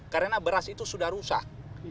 karena beras itu sudah rusak